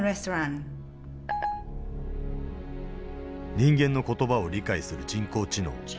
人間の言葉を理解する人工知能。